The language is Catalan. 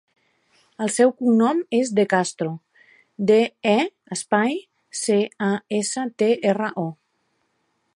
El seu cognom és De Castro: de, e, espai, ce, a, essa, te, erra, o.